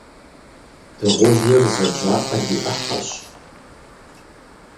Дыгъужьыр зэдзакъэр и Ӏыхьэщ.